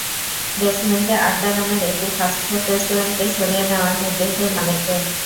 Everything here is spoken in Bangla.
বেজমেন্টে আড্ডা নামের একটি ফাস্টফুট রেস্টুরেন্টকে সরিয়ে নেওয়ার নির্দেশ দেয় মালিককে।